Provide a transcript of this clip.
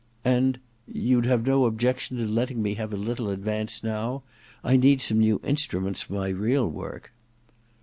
* And — you'd have no objection to letting me have a little advance now ? I need some new instruments for my real work.'